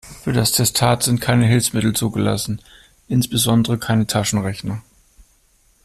Für das Testat sind keine Hilfsmittel zugelassen, insbesondere keine Taschenrechner.